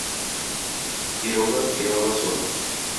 Quiroga quedaba sólo.